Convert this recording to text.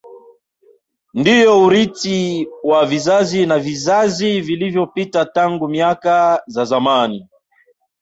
Ndiyo urithi wa vizazi na vizazi vilivyopita tangu miaka za zamani